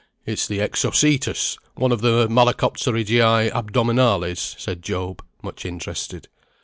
"It's the Exocetus; one of the Malacopterygii Abdominales," said Job, much interested.